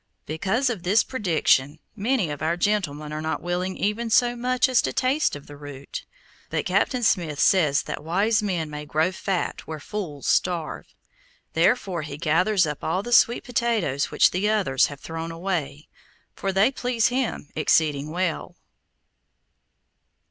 Because of this prediction, many of our gentlemen are not willing even so much as to taste of the root, but Captain Smith says that wise men may grow fat where fools starve, therefore he gathers up all the sweet potatoes which the others have thrown away, for they please him exceeding well.